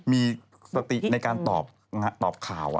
มีสติในการตอบข่าว